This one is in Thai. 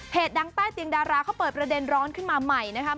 ดังใต้เตียงดาราเขาเปิดประเด็นร้อนขึ้นมาใหม่นะครับ